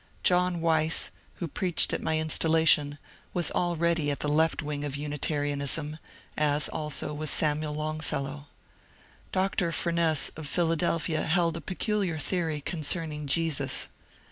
John Weiss, who preached at my installation, was already at the left wing of Unitarianism, as also was Samuel Longfellow. Dr. Fumess of Philadelphia held a peculiar theory concerning Jesus.